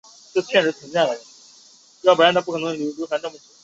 铁道拟人化又按性质分为不同类型的拟人化手法。